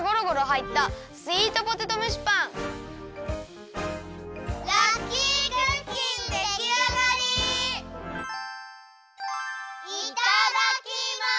いただきます！